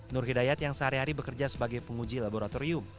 nur hidayat yang sehari hari bekerja sebagai penguji laboratorium